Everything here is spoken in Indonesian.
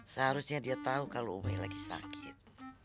seharusnya dia tahu kalau umeh lagi sakit